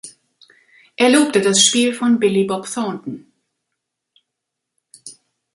Er lobte das Spiel von Billy Bob Thornton.